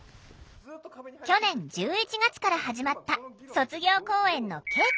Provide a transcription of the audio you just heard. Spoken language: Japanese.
去年１１月から始まった卒業公演の稽古。